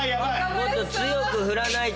もっと強く振らないと！